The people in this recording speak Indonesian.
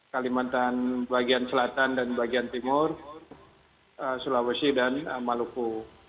kalimantan bagian selatan dan bagian timur sulawesi dan maluku